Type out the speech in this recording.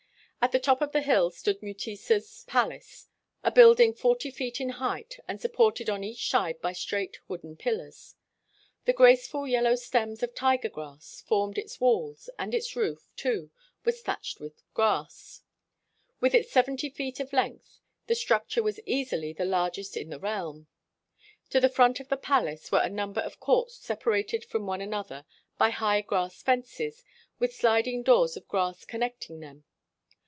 At the top of the hill stood Mutesa's pal ace — a building forty feet in height and sup ported on each side by straight wooden pil lars. The graceful yellow stems of tiger grass formed its walls, and its roof, too, was thatched with grass. With its seventy feet of length, the structure was easily the larg est in the realm. To the front of the palace were a number of courts separated from one another by high grass fences, with sliding doors of grass connecting them.